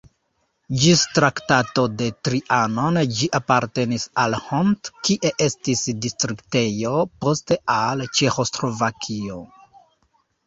Ĝis Traktato de Trianon ĝi apartenis al Hont, kie estis distriktejo, poste al Ĉeĥoslovakio.